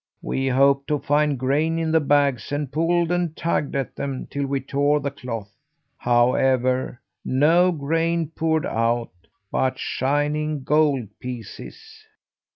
We hoped to find grain in the bags and pulled and tugged at them till we tore the cloth. However, no grain poured out, but shining gold pieces.